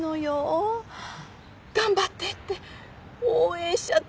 頑張って！って応援しちゃった